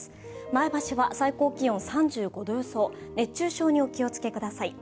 前橋は最高気温３５度予想、熱中症にお気をつけください。